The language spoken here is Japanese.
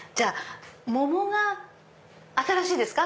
桃が新しいですか？